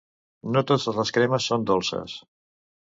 No totes les cremes són dolces.